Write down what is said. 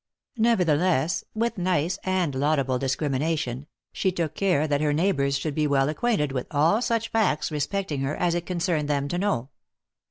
3 Nevertheless, with nice and laudable discrimination, she took care that her neighbours should be well acquainted with all such facts respecting her as it concerned them to know.